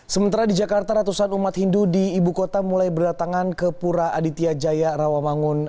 sementara di jakarta ratusan umat hindu di ibu kota mulai berdatangan ke pura aditya jaya rawamangun